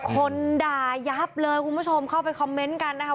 คนด่ายับเลยคุณผู้ชมเข้าไปคอมเมนต์กันนะคะ